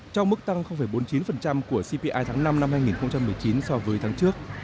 trong mức tăng bốn mươi chín của cpi tháng năm năm hai nghìn một mươi chín so với tháng trước